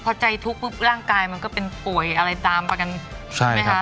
พอใจทุกข์ปุ๊บร่างกายมันก็เป็นป่วยอะไรตามมากันใช่ไหมคะ